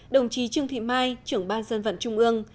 đồng chí trương thị mai trưởng ban dân vận trung ương